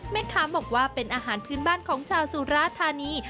แม่ค้าบอกว่าเป็นอาหารพื้นบ้านของชาวสุราธานี